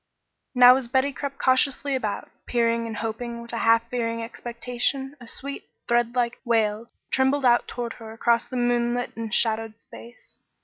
Now as Betty crept cautiously about, peering and hoping with a half fearing expectation, a sweet, threadlike wail trembled out toward her across the moonlit and shadowed space.